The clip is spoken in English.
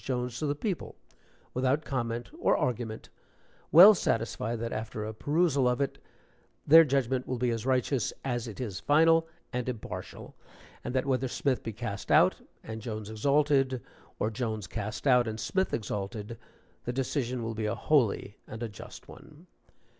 Jones to the people, without comment or argument, well satisfied that after a perusal of it, their judgment will be as righteous as it is final and impartial, and that whether Smith be cast out and Jones exalted, or Jones cast out and Smith exalted, the decision will be a holy and a just one.